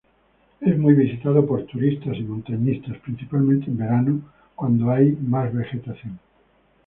Es muy visitado por turistas y montañistas, principalmente en verano, cuando hay más vegetación.